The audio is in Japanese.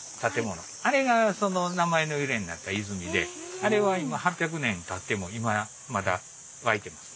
あれがその名前の由来になった泉であれは今８００年たっても今まだ湧いてます。